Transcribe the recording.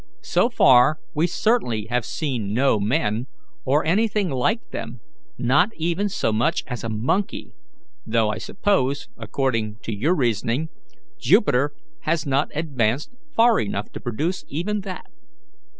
So far we certainly have seen no men, or anything like them, not even so much as a monkey, though I suppose, according to your reasoning, Jupiter has not advanced far enough to produce even that."